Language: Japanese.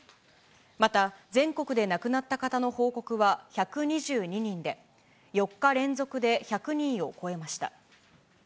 また、全国で亡くなった方の報告は１２２人で、４日連続で１００人を超えました。